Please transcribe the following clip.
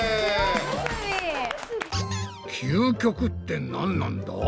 究極ってなんなんだ？